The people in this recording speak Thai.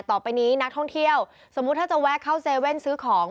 ต่อไปนี้นักท่องเที่ยวสมมุติถ้าจะแวะเข้าเซเว่นซื้อของ